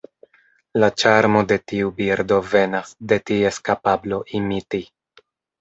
La ĉarmo de tiu birdo venas de ties kapablo imiti.